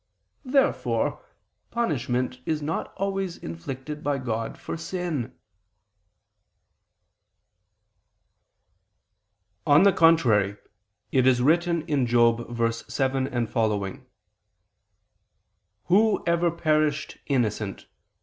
Therefore punishment is not always inflicted by God for sin. On the contrary, It is written (Job 4:7, seqq.): "Who ever perished innocent?